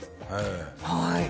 はい。